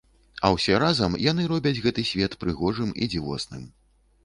А ўсе разам яны робяць гэты свет прыгожым і дзівосным.